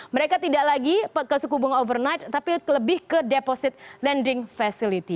mereka tidak lagi ke suku bunga overnight tapi lebih ke deposit lending facility